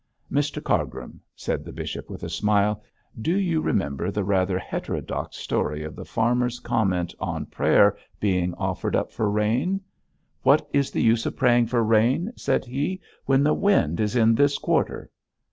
'Mr Cargrim,' said the bishop, with a smile, 'do you remember the rather heterodox story of the farmer's comment on prayer being offered up for rain? "What is the use of praying for rain," said he, "when the wind is in this quarter?"